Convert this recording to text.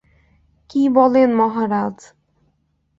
কী বলেন মহারাজ?